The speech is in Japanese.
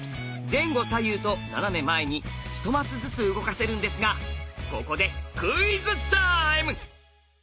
前後左右と斜め前に１マスずつ動かせるんですがここでクイズタイム！